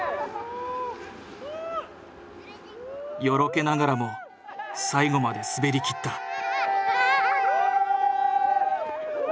よろけながらも最後まで滑りきった。